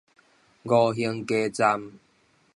吳興街站